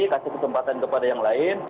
kasih kesempatan kepada yang lain